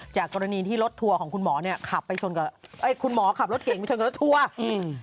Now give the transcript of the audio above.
จากกรณีที่รถทัวร์ของคุณหมอขับรถเก่งไปชนกับรถทัวร์